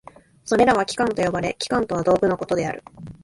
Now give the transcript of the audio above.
それらは器官と呼ばれ、器官とは道具のことである。